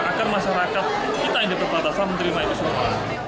agar masyarakat kita yang di perbatasan menerima itu semua